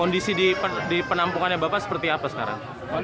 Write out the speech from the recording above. di penampungan yang bapak seperti apa sekarang